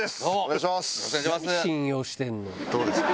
お願いします。